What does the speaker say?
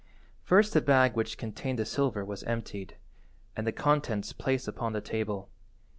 First the bag which contained the silver was emptied, and the contents placed upon the table.